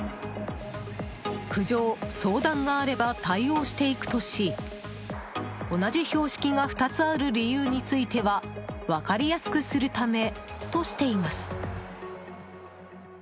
苦情相談があれば対応していくとし同じ標識が２つある理由については分かりやすくするためとしています。